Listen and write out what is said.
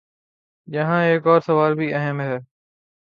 یہاں ایک اور سوال بھی اہم ہے۔